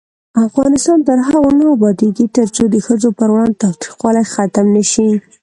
افغانستان تر هغو نه ابادیږي، ترڅو د ښځو پر وړاندې تاوتریخوالی ختم نشي.